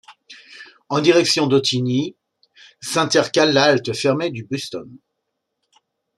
En direction d'Ottignies s'intercale la halte fermée du Buston.